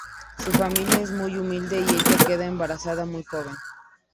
Su familia es muy humilde y ella queda embarazada muy joven.